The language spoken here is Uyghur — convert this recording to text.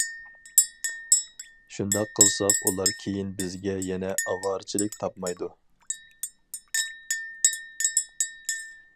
شۇنداق قىلساق ئۇلار كېيىن بىزگە يەنە ئاۋارىچىلىك تاپمايدۇ.